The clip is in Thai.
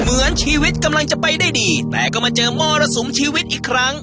เหมือนชีวิตกำลังจะไปได้ดีแต่ก็มาเจอมรสุมชีวิตอีกครั้ง